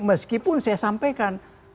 meskipun saya sampaikan